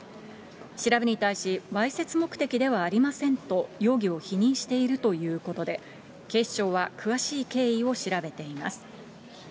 調べに対し、わいせつ目的ではありませんと、容疑を否認しているということで、警視庁は詳しい経緯を調べています。